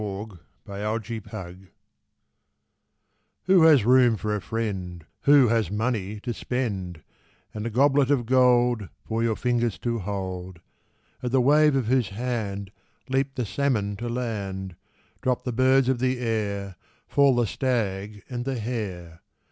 A FRIEND IN NEED Who has room for a friend Who has money to spend, And a goblet of gold For your fingers to hold, At the wave of whose hand Leap the salmon to land, Drop the birds of the air, Fall the stag and the hare.